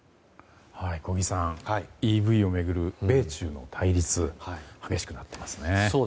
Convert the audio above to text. ＥＶを巡る米中の対立が激しくなっていますね。